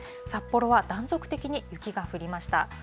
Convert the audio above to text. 札幌は断続的に雪が降りました。